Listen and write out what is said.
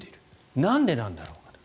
なんでなんだろうかと。